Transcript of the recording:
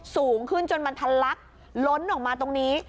สูงขึ้นจนมันทะลักล้นออกมาตรงนี้